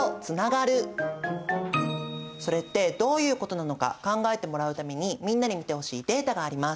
それってどういうことなのか考えてもらうためにみんなに見てほしいデータがあります。